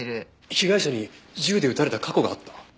被害者に銃で撃たれた過去があった？